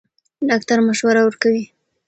ډاکټره مشوره ورکوي.